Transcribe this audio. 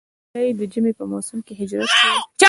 هیلۍ د ژمي په موسم کې هجرت کوي